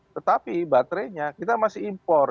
tetapi baterainya kita masih impor